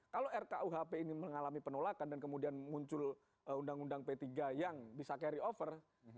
kalau rkuhp ini mengalami penolakan dan kemudian muncul undang undang p tiga yang bisa carry over